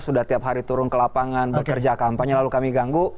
sudah tiap hari turun ke lapangan bekerja kampanye lalu kami ganggu